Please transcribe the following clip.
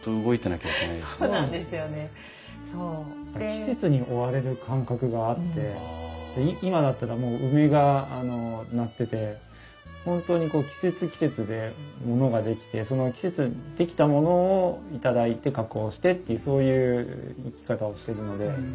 季節に追われる感覚があって今だったらもう梅がなってて本当に季節季節でものが出来てその季節に出来たものを頂いて加工してっていうそういう生き方をしてるので。